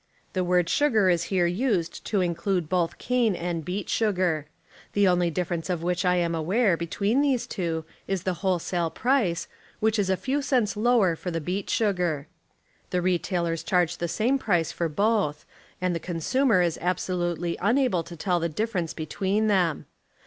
Tlif word "sugar" is here 21 used to iticliulo botli cane and beel siii>ar. The only difference of wliieli I am aware between those two is the wliolesale price, .,, whicli is a few cents lower for the beet suijar: the Lane and '^, retailers charge the same price for both, and the beet sugars consumer is absolutely unable to tell the difference between them.